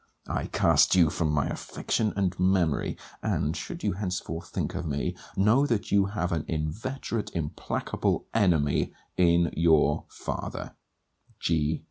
I cast you from my affection and memory. And, should you henceforth think of me, know that you have an inveterate implacable enemy, in your father, G.